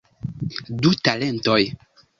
Du talentoj.